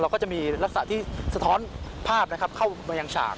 ก็จะมีลักษณะที่สะท้อนภาพนะครับเข้ามายังฉาก